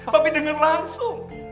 papi denger langsung